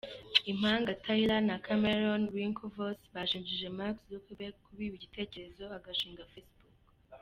Impanga Tyler na Cameron Winklevoss bashinjije Mark Zuckerberg kubibira igitekerezo agashinga Facebook.